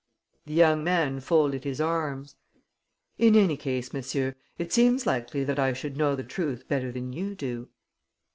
The young man folded his arms: "In any case, monsieur, it seems likely that I should know the truth better than you do."